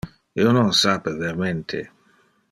Io non sape vermente.